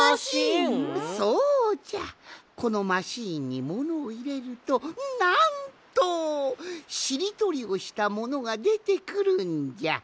このマシーンにものをいれるとなんとしりとりをしたものがでてくるんじゃ。